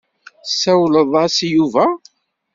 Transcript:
Tessawleḍ-as i Yuba?